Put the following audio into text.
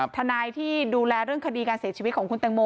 ทนายที่ดูแลเรื่องคดีการเสียชีวิตของคุณแตงโม